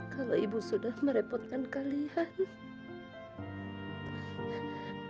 kalau ibu sudah merepotkan kalian